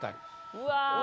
うわ。